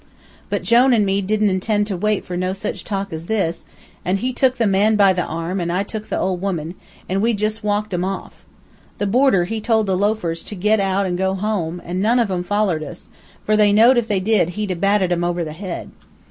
But Jone an' me didn't intend to wait for no sich talk as this, an' he tuk the man by the arm, and I tuk the old woman, an' we jus' walked 'em off. The boarder he told the loafers to get out an' go home, an' none of 'em follered us, for they know'd if they did he'd a batted 'em over the head.